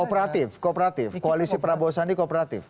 kooperatif kooperatif koalisi prabowo sandi kooperatif